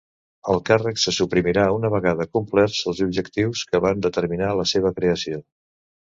El càrrec se suprimirà una vegada complerts els objectius que van determinar la seva creació.